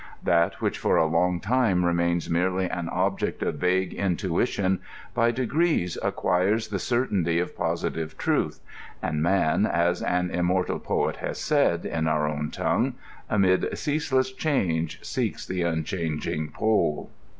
That which for a long time remains merely an object of vague intuition, by degrees acquires the certainty of positive truth ; and man, as an im mortal poet has said, in our own tongue — Amid ceaseless change seeks the unchanging pole.